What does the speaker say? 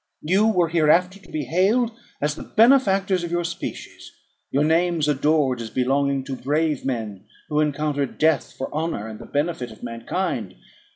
You were hereafter to be hailed as the benefactors of your species; your names adored, as belonging to brave men who encountered death for honour, and the benefit of mankind.